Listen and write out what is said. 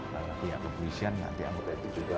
nanti aku puisian nanti aku peti juga